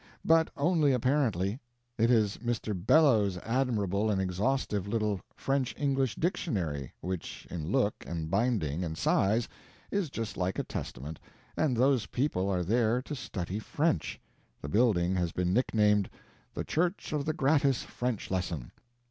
But only apparently; it is Mr. Bellows's admirable and exhaustive little French English dictionary, which in look and binding and size is just like a Testament and those people are there to study French. The building has been nicknamed "The Church of the Gratis French Lesson."